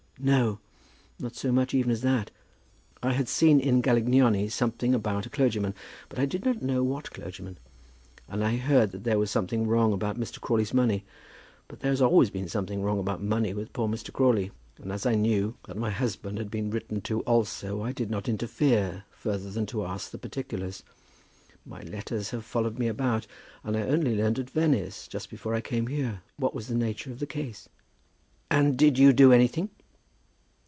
"No; not so much even as that. I had seen in 'Galignani' something about a clergyman, but I did not know what clergyman; and I heard that there was something wrong about Mr. Crawley's money, but there has always been something wrong about money with poor Mr. Crawley; and as I knew that my husband had been written to also, I did not interfere, further than to ask the particulars. My letters have followed me about, and I only learned at Venice, just before I came here, what was the nature of the case." "And did you do anything?"